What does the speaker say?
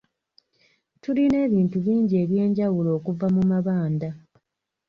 Tulina ebintu bingi eby'enjawulo okuva mu mabanda.